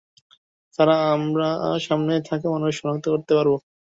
Sir, আমার সামনে থাকা মানুষদের শনাক্ত করতে পারবো।